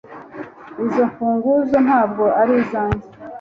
izo mfunguzo ntabwo ari izanjye